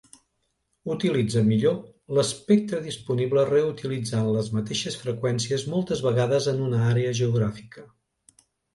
Utilitzen millor l’espectre disponible reutilitzant les mateixes freqüències moltes vegades en una àrea geogràfica.